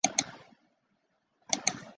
以甲钴胺为主要的研究对象。